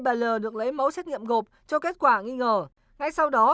bà l được lấy mẫu xét nghiệm gộp cho kết quả nghi ngờ ngay sau đó